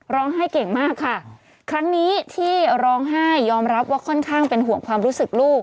ร้องไห้เก่งมากค่ะครั้งนี้ที่ร้องไห้ยอมรับว่าค่อนข้างเป็นห่วงความรู้สึกลูก